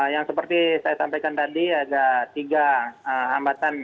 yang seperti saya sampaikan tadi ada tiga hambatan